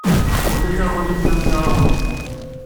Ulac aɣilif ma mliɣ-awen-d kra?